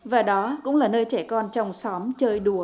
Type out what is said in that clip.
và đó cũng là nơi trẻ con trong xóm chơi đùa